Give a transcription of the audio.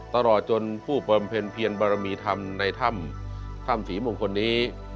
ตลอดจนผู้เปล่าเป็นเพลินบรรมีธรรมในถ้ำถ้ำศรีมงคลนนี้